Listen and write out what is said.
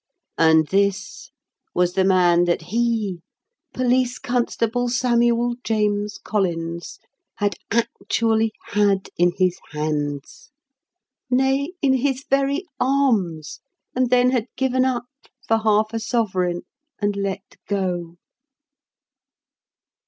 And this was the man that he Police Constable Samuel James Collins had actually had in his hands; nay, in his very arms, and then had given up for half a sovereign and let go!